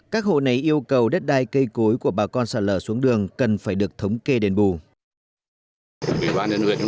các hộ này yêu cầu đất đai cây cối của bà con sạt lở xuống đường cần phải được thống kê đền bù